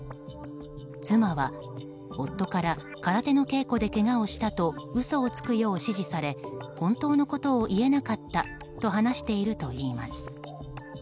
妻は、夫から空手の稽古でけがをしたと嘘をつくよう指示され本当のことを言えなかったと話しているということです。